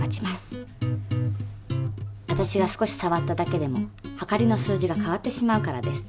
わたしが少しさわっただけでもはかりの数字が変わってしまうからです。